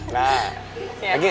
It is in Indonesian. nah lagi ya